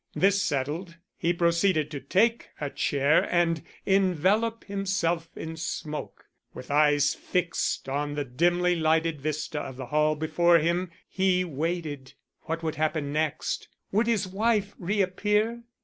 This settled, he proceeded to take a chair and envelope himself in smoke. With eyes fixed on the dimly lighted vista of the hall before him, he waited. What would happen next? Would his wife reappear?